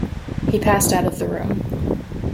He passed out of the room.